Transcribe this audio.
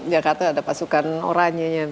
jakarta ada pasukan orangnya